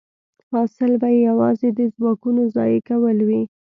حاصل به یې یوازې د ځواکونو ضایع کول وي